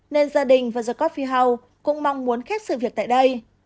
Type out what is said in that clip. nên gia đình và the coffee house cũng mong muốn khép sự việc tại đây